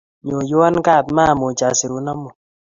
Nyoiwon kat, maamuch asirun amut.